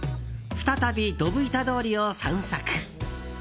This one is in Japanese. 再びドブ板通りを散策。